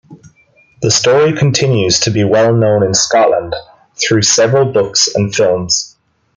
The story continues to be well known in Scotland, through several books and films.